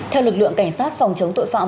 theo lực lượng cảnh sát phòng chống tội phạm